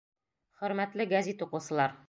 Хөрмәтле гәзит уҡыусылар!